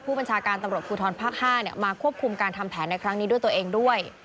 บัญชาการตำรวจภูทรภาค๕มาควบคุมการทำแผนในครั้งนี้ด้วยตัวเองด้วย